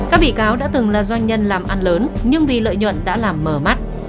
các bị cáo đã từng là doanh nhân làm ăn lớn nhưng vì lợi nhuận đã làm mờ mắt